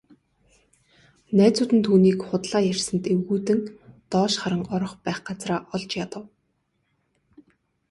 Найзууд нь түүнийг худлаа ярьсанд эвгүйцэн доош харан орох байх газраа олж ядав.